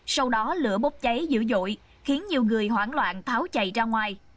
sau đó lửa bốc cháy dữ dội khiến nhiều người hoảng loạn tháo chày ra ngoài